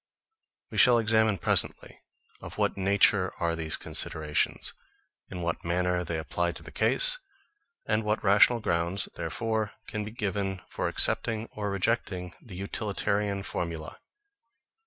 We shall examine presently of what nature are these considerations; in what manner they apply to the case, and what rational grounds, therefore, can be given for accepting or rejecting the utilitarian formula.